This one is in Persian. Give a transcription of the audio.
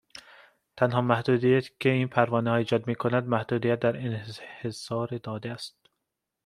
تنها محدودیتی که این پروانهها ایجاد میکنند، محدودیت در انحصار داده است